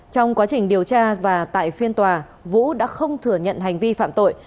trong quá trình điều tra và tại phiên tòa vũ đã không thừa nhận hành vi phạm tội